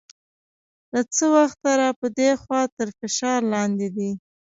له څه وخته را په دې خوا تر فشار لاندې دی.